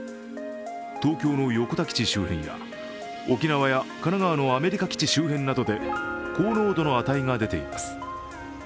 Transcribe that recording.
東京の横田基地周辺や沖縄や神奈川のアメリカ基地周辺などで高濃度の値が出ています。